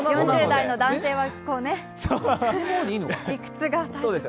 ４０代の男性はこうね、理屈が。